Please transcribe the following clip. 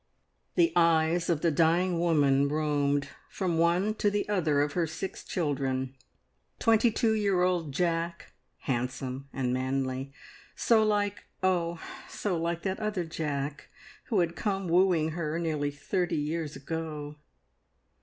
The eyes of the dying woman roamed from one to the other of her six children twenty two year old Jack, handsome and manly, so like oh, so like that other Jack who had come wooing her nearly thirty years ago!